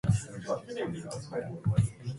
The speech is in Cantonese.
在尊嚴及權利上均各平等